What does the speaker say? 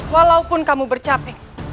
walaupun kamu bercapek